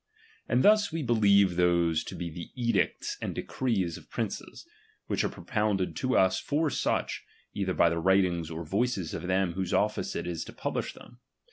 And thus we be ^"^^°'"'""' lieve those to be the edicts and decrees of princes, which are propounded to us for such, either by the Writings or voices of them whose office it is to publish them.